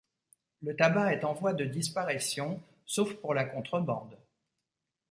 Le tabac est en voie de disparition sauf pour la contrebande.